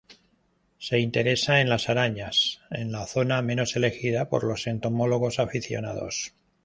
Se interesa en las arañas, en la zona menos elegida por los entomólogos aficionados.